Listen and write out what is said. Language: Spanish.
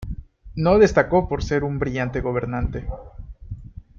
No destacó por ser un brillante gobernante.